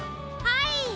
はい。